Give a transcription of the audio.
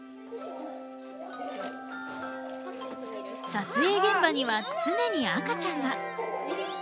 撮影現場には常に赤ちゃんが。